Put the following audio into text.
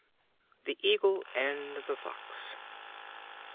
The Eagle and the Fox.